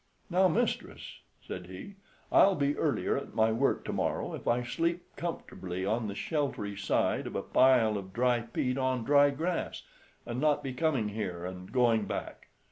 "Now, mistress," said he, "I'll be earlier at my work tomorrow if I sleep comfortably on the sheltery side of a pile of dry peat on dry grass, and not be coming here and going back.